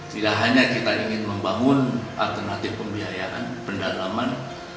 tidak hanya kita ingin membangun alternatif pembiayaan pendalaman